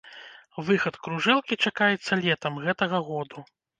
Выхад кружэлкі чакаецца летам гэтага году.